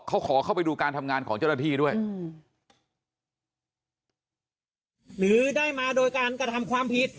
เขาขอเข้าไปดูการทำงานของเจ้าหน้าที่ด้วยอืมหรือได้มาโดยการกระทำความผิด